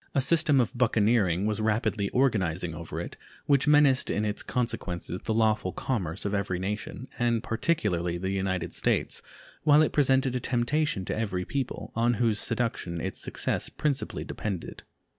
A system of buccaneering was rapidly organizing over it which menaced in its consequences the lawful commerce of every nation, and particularly the United States, while it presented a temptation to every people, on whose seduction its success principally depended.